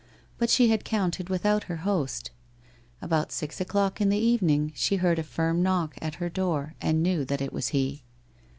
But she had counted without her host. About six o'clock in the evening she heard a firm knock at her door and knew that it was he.